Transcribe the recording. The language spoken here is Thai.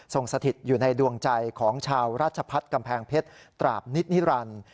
สถิตอยู่ในดวงใจของชาวราชพัฒน์กำแพงเพชรตราบนิตนิรันดิ์